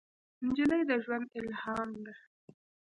نجلۍ د ژوند الهام ده.